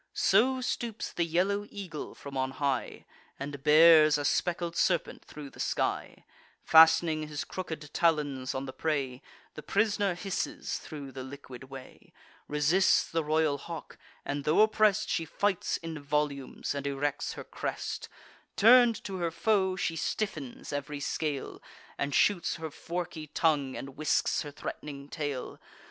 So stoops the yellow eagle from on high, And bears a speckled serpent thro' the sky, Fast'ning his crooked talons on the prey: The pris'ner hisses thro' the liquid way; Resists the royal hawk; and, tho' oppress'd, She fights in volumes, and erects her crest: Turn'd to her foe, she stiffens ev'ry scale, And shoots her forky tongue, and whisks her threat'ning tail.